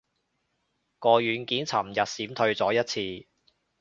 個軟件尋日閃退咗一次